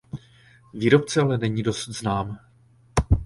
Výrobce ale není dosud znám.